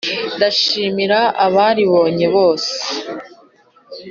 ndashimira abaribonye bose